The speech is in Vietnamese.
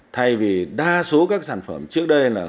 thay vì đa số các sản phẩm trước đây